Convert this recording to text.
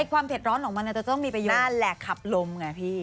เผ็ดร้อนของมันจะต้องมีประโยชน์แหละขับลมไงพี่